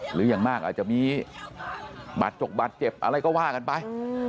หรืออย่างมากอาจจะมีบาดจกบาดเจ็บอะไรก็ว่ากันไป